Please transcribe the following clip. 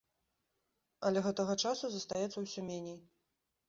Але гэтага часу застаецца ўсё меней.